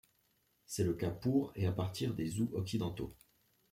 C'est le cas pour et à partir des Zhou occidentaux.